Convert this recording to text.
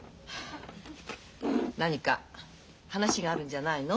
何か話があるんじゃないの？